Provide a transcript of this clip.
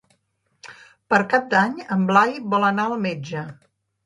Per Cap d'Any en Blai vol anar al metge.